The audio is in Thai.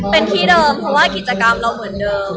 เป็นที่เดิมเพราะว่ากิจกรรมเราเหมือนเดิม